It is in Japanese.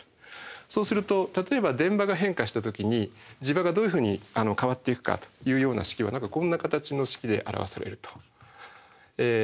そうすると例えば電場が変化した時に磁場がどういうふうに変わっていくかというような式はこんな形の式で表されると。